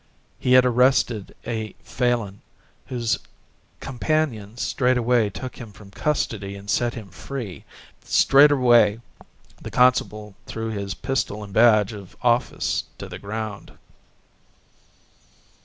He had arrested a Falin, whose companions straightway took him from custody and set him free. Straightway the constable threw his pistol and badge of office to the ground.